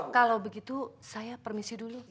kalau begitu saya permisi dulu